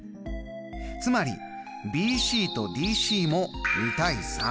つまりＢＣとＤＣも２：３。